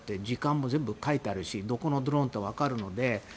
時間も全部書いてあるしどこのドローンか分かるので。